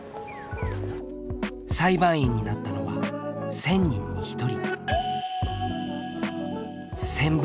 裁判員になったのは１０００人に１人。